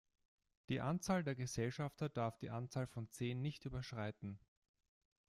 Die Anzahl der Gesellschafter darf die Anzahl von zehn nicht überschreiten.